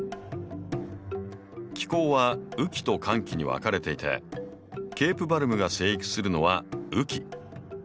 気候は雨季と乾季に分かれていてケープバルブが生育するのは雨季。